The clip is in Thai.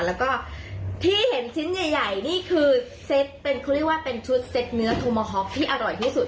และก็ที่เห็นชิ้นใหญ่นี่คือที่เรียกว่าเป็นชุดเซ็ตเนื้อโทโมฮ็อกอร่อยที่สุด